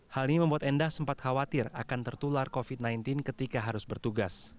hal ini membuat endah sempat khawatir akan tertular covid sembilan belas ketika harus bertugas